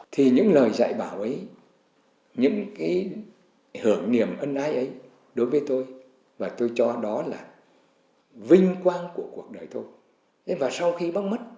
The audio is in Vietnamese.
thì những lời dạy bảo ấy những cái hưởng niệm ân ái ấy đối với tôi và tôi cho đó là vinh quang của cuộc đời tôi